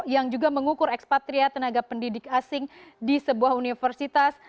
yang juga mengukur ekspatria tenaga pendidik asing di sebuah universitas